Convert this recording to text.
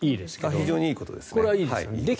非常にいいことです。